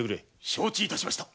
承知致しました。